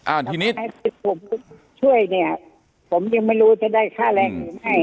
อ่าทีนี้ผมช่วยเนี่ยผมยังไม่รู้จะได้ค่าแรงอื่นให้